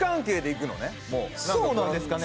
そうなんですかね？